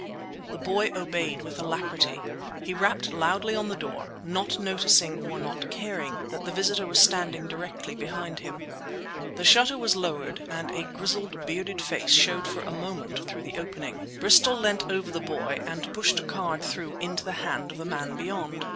The boy obeyed with alacrity. He rapped loudly on the door, not noticing or not caring that the visitor was standing directly behind him. The shutter was lowered and a grizzled, bearded face showed for a moment through the opening. Bristol leant over the boy and pushed a card through into the hand of the man beyond.